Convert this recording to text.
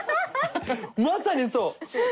まさにそう。